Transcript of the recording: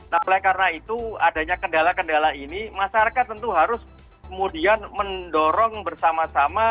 nah oleh karena itu adanya kendala kendala ini masyarakat tentu harus kemudian mendorong bersama sama